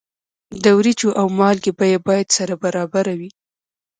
د وریجو او مالګې بیه باید سره برابره وي.